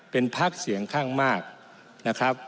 เป็นพักเสียงข้างมากนะครับ